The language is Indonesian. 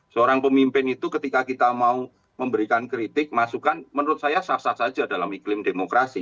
seorang pemimpin itu ketika kita mau memberikan kritik masukan menurut saya sah sah saja dalam iklim demokrasi